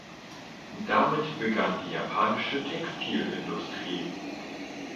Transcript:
Damit begann die japanische Textilindustrie.